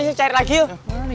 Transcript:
ini cari lagi yuk